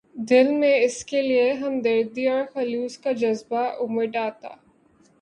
دل میں اس کے لیے ہمدردی اور خلوص کا جذبہ اُمڈ آتا